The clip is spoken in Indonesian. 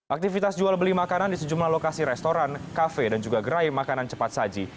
aktivitas jual beli makanan di sejumlah lokasi restoran kafe dan juga gerai makanan cepat saji